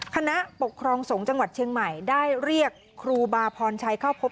คณะปกครองสงฆ์จังหวัดเชียงใหม่ได้เรียกครูบาพรชัยเข้าพบ